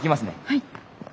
はい！